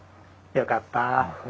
よかった。